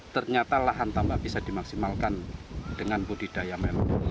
ternyata lahan tambak bisa dimaksimalkan dengan budidaya melo